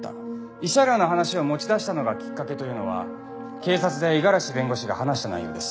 慰謝料の話を持ち出したのがきっかけというのは警察で五十嵐弁護士が話した内容です。